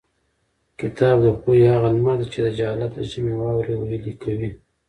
کتاب د پوهې هغه لمر دی چې د جهالت د ژمي واورې ویلي کوي.